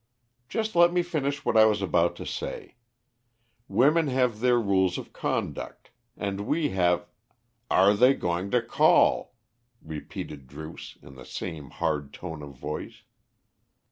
"Just let me finish what I was about to say. Women have their rules of conduct, and we have " "Are they going to call?" repeated Druce, in the same hard tone of voice.